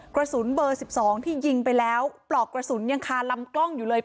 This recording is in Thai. กระสุนเบอร์๑๒ที่ยิงไปแล้วปลอกกระสุนยังคาลำกล้องอยู่เลย